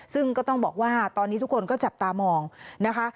ซึ่งก็ต้องบอกว่าตอนนี้ทุกคนก็จับตามองนะคะ